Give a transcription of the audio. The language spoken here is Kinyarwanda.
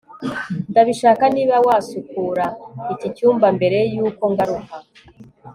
ndabishaka niba wasukura iki cyumba mbere yuko ngaruka